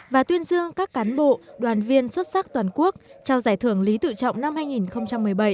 và tuyên dương các cán bộ đoàn viên xuất sắc toàn quốc trao giải thưởng lý tự trọng năm hai nghìn một mươi bảy